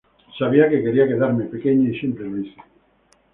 Sabía que quería quedarme pequeña y siempre lo hice.